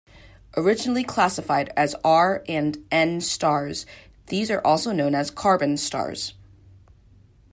Originally classified as R and N stars, these are also known as 'carbon stars'.